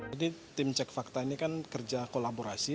jadi tim cek fakta ini kan kerja kolaborasi